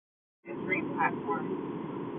Woodside has six tracks and three platforms.